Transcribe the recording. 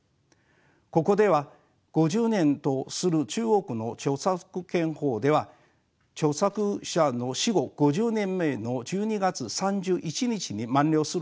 ここでは５０年とする中国の著作権法では著作者の死後５０年目の１２月３１日に満了すると定めています。